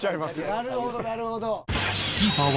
なるほどなるほど。